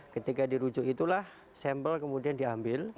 ketika dirujuk itulah sampel kemudian diambil